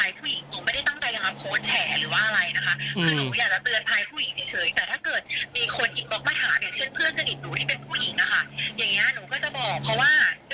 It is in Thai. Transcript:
ที่โพสต์ก็คือเพื่อต้องการจะเตือนเพื่อนผู้หญิงในเฟซบุ๊คเท่านั้นค่ะ